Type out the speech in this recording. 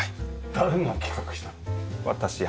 誰が企画したの？